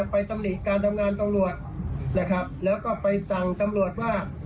ตำหนิการทำงานตำรวจนะครับแล้วก็ไปสั่งตำรวจว่า